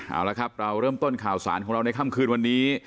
เอาละครับเราเริ่มต้นข่าวสารของเราในค่ำคืนวันนี้